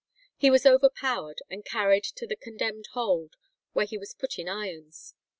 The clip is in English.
He was overpowered, and carried to the condemned hold, where he was put in irons.